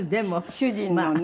主人のね